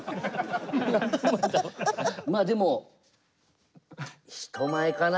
まあでも人前かな。